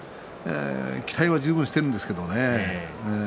期待は十分しているんですけどね。